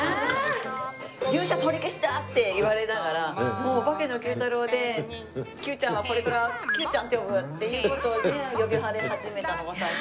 「入社取り消しだ！」って言われながら『オバケのＱ太郎』で「ＱちゃんはこれからＱちゃんって呼ぶ」っていう事で呼ばれ始めたのが最初。